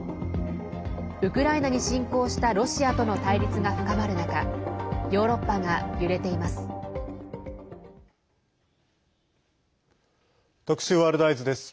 ウクライナに侵攻したロシアとの対立が深まる中ヨーロッパが揺れています。